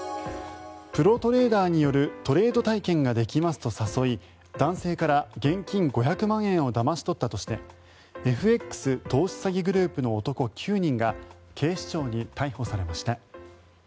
プロトレーダーによるトレード体験ができますと誘い男性から現金５００万円をだまし取ったとしてＦＸ投資詐欺グループの男９人が警視庁に逮捕されました。